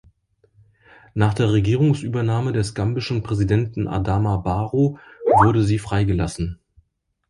Nach der Regierungsübernahme des gambischen Präsidenten Adama Barrow wurde sie frei gelassen.